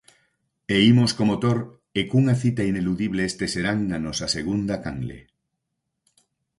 E imos co motor e cunha cita ineludible este serán na nosa segunda canle.